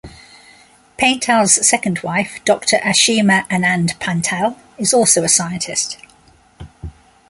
Paintal's second wife Doctor Ashima Anand-Paintal is also a scientist.